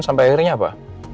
sampai akhirnya apa